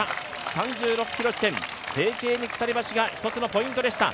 ３６ｋｍ地点、セーチェーニ鎖橋が一つのポイントでした。